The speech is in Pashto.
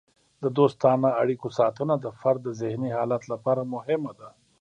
د دوستانه اړیکو ساتنه د فرد د ذهني حالت لپاره مهمه ده.